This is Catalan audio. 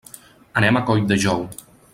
Anem a Colldejou.